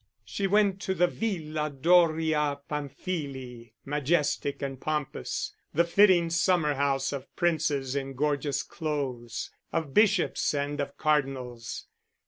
She went to the Villa Doria Pamphili, majestic and pompous, the fitting summer house of princes in gorgeous clothes, of bishops and of cardinals.